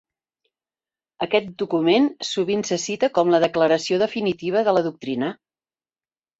Aquest document sovint se cita com la declaració definitiva de la doctrina.